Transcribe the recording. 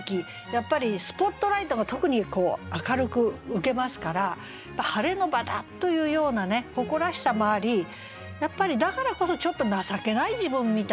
やっぱりスポットライトが特に明るく受けますから晴れの場だというような誇らしさもありやっぱりだからこそちょっと情けない自分みたいなね